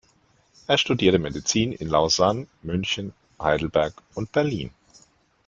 Er studierte Medizin in Lausanne, München, Heidelberg und Berlin.